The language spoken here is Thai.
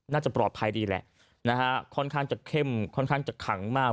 น่าจะปลอดภัยดีแหละนะฮะค่อนข้างจะเข้มค่อนข้างจะขังมาก